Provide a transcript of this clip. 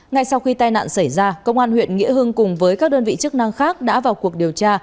ngay sau khi tai nạn xảy ra công an huyện nghĩa hưng cùng với các đơn vị chức năng khác đã vào cuộc điều tra